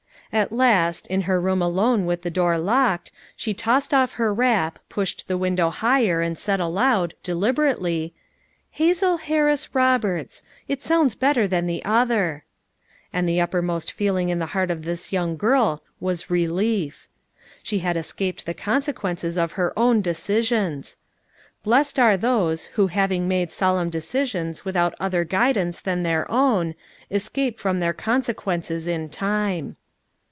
At last, in her room alone with the door locked, she tossed off her wrap, pushed the window higher and said aloud, deliberately, " 'Hazel Harris Roberts;' it sounds better than the other," And the uppermost feeling in the FOUR MOTHERS AT CHAUTAUQUA 375 heart of this young woman was relief. She had escaped the consequences of her own decisions. Blessed are those who having made solemn decisions without other guidance than their own, escape from their consequences in time.